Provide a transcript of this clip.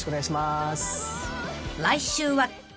［来週は］